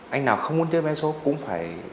anh nào không muốn chơi vé số cũng phải